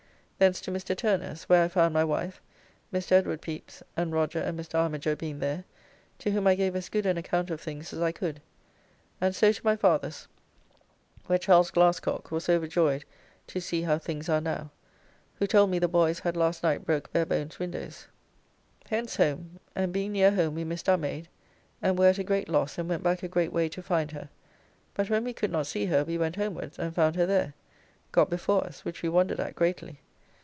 Thence to Mr. Turner's, where I found my wife, Mr. Edw. Pepys, and Roger' and Mr. Armiger being there, to whom I gave as good an account of things as I could, and so to my father's, where Charles Glascocke was overjoyed to see how things are now; who told me the boys had last night broke Barebone's windows. Hence home, and being near home we missed our maid, and were at a great loss and went back a great way to find her, but when we could not see her we went homewards and found her there, got before us which we wondered at greatly.